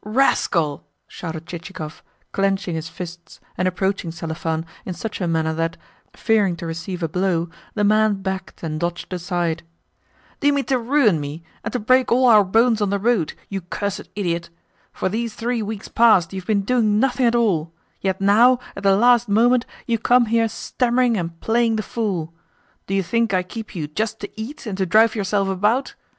"Rascal!" shouted Chichikov, clenching his fists and approaching Selifan in such a manner that, fearing to receive a blow, the man backed and dodged aside. "Do you mean to ruin me, and to break all our bones on the road, you cursed idiot? For these three weeks past you have been doing nothing at all; yet now, at the last moment, you come here stammering and playing the fool! Do you think I keep you just to eat and to drive yourself about?